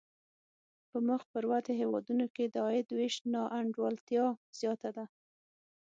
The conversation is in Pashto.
په مخ پر ودې هېوادونو کې د عاید وېش نا انډولتیا زیاته ده.